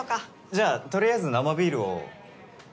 じゃあとりあえず生ビールを。